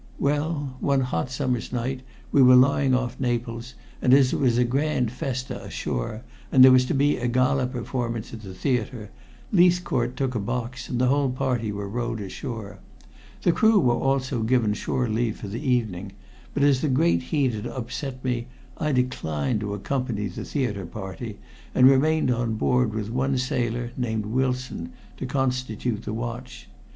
Well, one hot summer's night we were lying off Naples, and as it was a grand festa ashore and there was to be a gala performance at the theater, Leithcourt took a box and the whole party were rowed ashore. The crew were also given shore leave for the evening, but as the great heat had upset me I declined to accompany the theater party, and remained on board with one sailor named Wilson to constitute the watch.